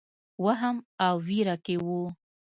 وهم او وېره کې وو.